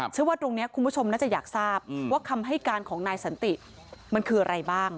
เชื่อว่าตรงนี้คุณผู้ชมน่าจะอยากทราบว่าคำให้การของนายสันติมันคืออะไรบ้าง